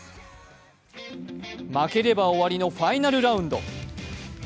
負ければ終わりのファイナルラウンド。